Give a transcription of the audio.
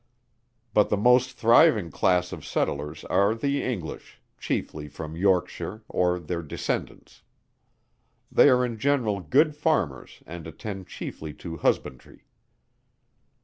But the most thriving class of settlers are the English, chiefly from Yorkshire, or their descendants. They are in general good farmers and attend chiefly to husbandry.